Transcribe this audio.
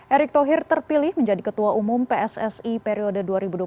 erick thohir terpilih menjadi ketua umum pssi periode dua ribu dua puluh tiga dua ribu dua puluh tujuh